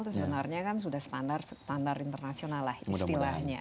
itu sebenarnya kan sudah standar standar internasional lah istilahnya